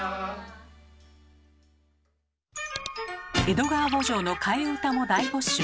「江戸川慕情」の替え歌も大募集。